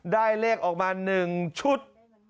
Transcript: ได้เลขออกมา๑ชุด